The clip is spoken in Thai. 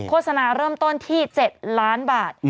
โฆษณาเริ่มต้นที่๗ล้านบาท